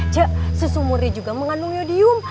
cie susumuri juga mengandung iodium